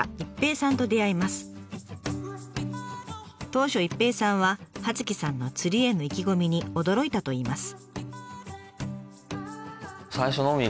当初一平さんは葉月さんの釣りへの意気込みに驚いたといいます。